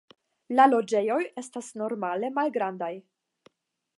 La loĝejoj estas normale malgrandaj.